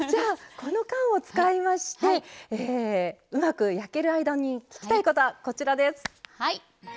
この間を使いましてうまく焼ける間に聞きたいことは、こちらです。